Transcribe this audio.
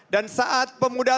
dan saat pemuda